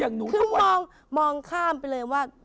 คือมองข้ามไปเลยว่า